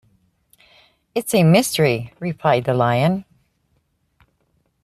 "It's a mystery," replied the Lion.